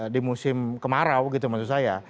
di musim kemarau gitu maksud saya